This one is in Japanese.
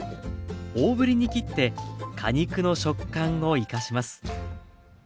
大ぶりに切って果肉の食感を生かします。